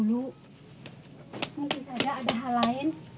mungkin saja ada hal lain